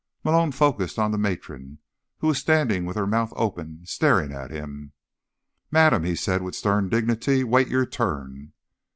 Malone focused on the matron, who was standing with her mouth open staring at him. "Madam," he said with stern dignity, "wait your turn!"